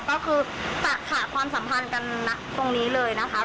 ก็คือค่ะความสัมพันธ์กันนะตรงนี้เลยนะคะ